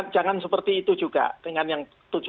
jangan seperti itu juga dengan yang tujuh puluh lima